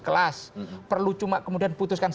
kelas perlu cuma kemudian putuskan